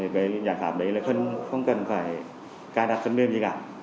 với giải pháp đấy là không cần phải cài đặt thân mêm gì cả